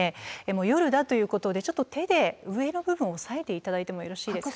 夜だということでちょっと手で上の部分を押さえて頂いてもよろしいですか？